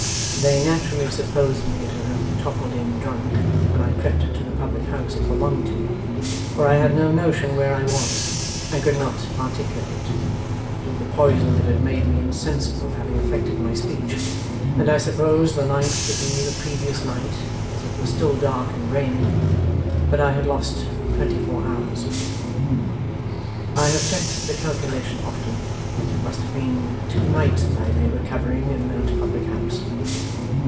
They naturally supposed me to have toppled in, drunk, when I crept to the public house it belonged to; for I had no notion where I was, and could not articulate through the poison that had made me insensible having affected my speech and I supposed the night to be the previous night, as it was still dark and raining. But I had lost twenty four hours. 'I have checked the calculation often, and it must have been two nights that I lay recovering in that public house.